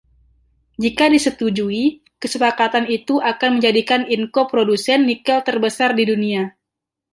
Jika disetujui, kesepakatan itu akan menjadikan Inco produsen nikel terbesar di dunia.